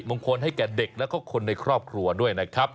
มงคลให้แก่เด็กแล้วก็คนในครอบครัวด้วยนะครับ